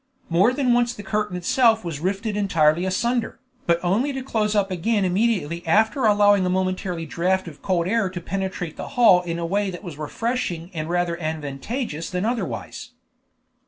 More than once the curtain itself was rifted entirely asunder, but only to close up again immediately after allowing a momentary draught of cold air to penetrate the hall in a way that was refreshing and rather advantageous than otherwise.